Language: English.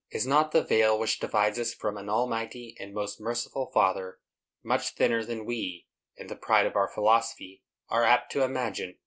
Is not the veil which divides us from an almighty and most merciful Father much thinner than we, in the pride of our philosophy, are apt to imagine?